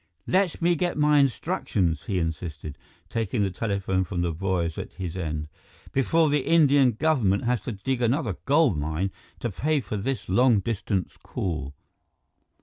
"Let me get my instructions," he insisted, taking the telephone from the boys at his end, "before the Indian government has to dig another gold mine to pay for this long distance call."